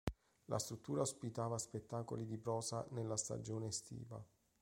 La struttura ospitava spettacoli di prosa nella stagione estiva.